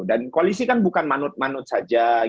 dan koalisi kan bukan manut manut saja